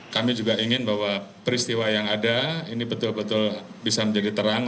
kami juga ingin bahwa peristiwa yang ada ini betul betul bisa menjadi terang